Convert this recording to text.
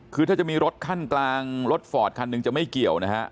คือถ้าจะมีรถขั้นกลางรถฟอร์ดคันหนึ่งจะไม่เกี่ยวนะฮะ